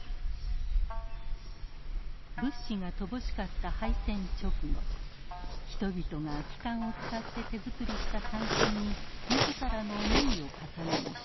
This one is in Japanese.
物資が乏しかった敗戦直後人々が空き缶を使って手作りした三線に自らの思いを重ねました。